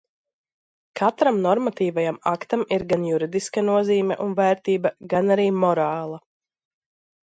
Katram normatīvajam aktam ir gan juridiska nozīme un vērtība, gan arī morāla.